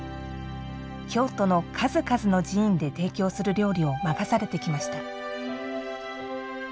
京都の数々の寺院で提供する料理を任されてきました。